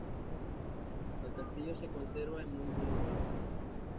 El castillo se conserva en muy buen estado.